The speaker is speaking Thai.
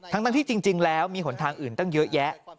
ทั้งที่จริงแล้วมีหนทางอื่นตั้งเยอะแยะ